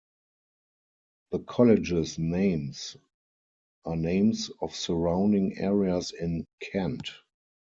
The college's names are names of surrounding areas in Kent.